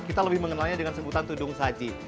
kita lebih mengenalnya dengan sebutan tudung saji